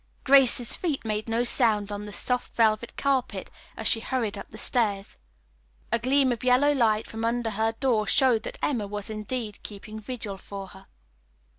Grace's feet made no sound on the soft velvet carpet as she hurried up the stairs. A gleam of yellow light from under her door showed that Emma was indeed keeping vigil for her.